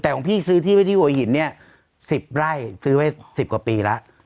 แต่ของพี่ซื้อที่ไว้ที่หัวหินเนี่ย๑๐ไร่ซื้อไว้๑๐กว่าปีแล้ว